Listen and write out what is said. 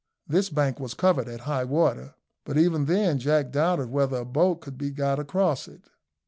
This bank was covered at high water, but even then Jack doubted whether a boat could be got across it.